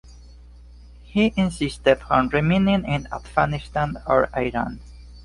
He insisted on remaining in Afghanistan or Iran.